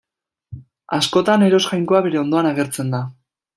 Askotan Eros jainkoa bere ondoan agertzen da.